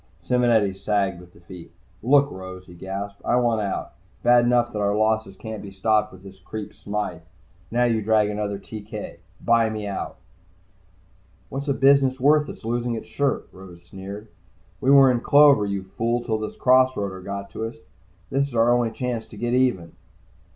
Simonetti sagged with defeat. "Look, Rose," he gasped. "I want out. Bad enough that our losses can't be stopped by this creep Smythe. Now you drag in another TK. Buy me out!" "What's a business worth that's losing its shirt?" Rose sneered. "We were in clover, you fool, till this cross roader got to us. This is our only chance to get even."